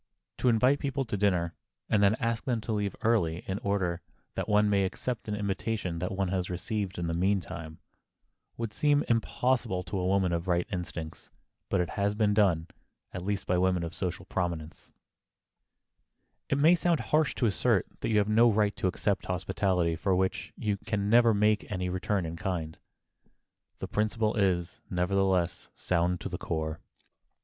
To invite people to dinner and then ask them to leave early in order that one may accept an invitation that one has received in the meantime, would seem impossible to a woman of right instincts—but it has been done, at least by women of social prominence. [Sidenote: RETURNING COURTESIES] It may sound harsh to assert that you have no right to accept hospitality for which you can never make any return in kind. The principle is, nevertheless, sound to the core.